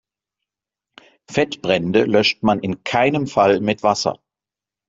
Fettbrände löscht man in keinem Fall mit Wasser.